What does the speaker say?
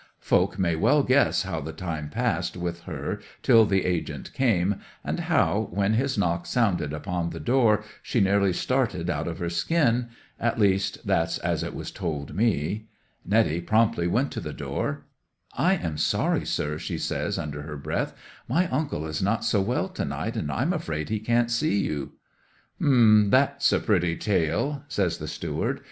'Folk may well guess how the time passed with her till the agent came, and how, when his knock sounded upon the door, she nearly started out of her skin—at least that's as it was told me. Netty promptly went to the door. '"I am sorry, sir," she says, under her breath; "my uncle is not so well to night, and I'm afraid he can't see you." '"H'm!—that's a pretty tale," says the steward.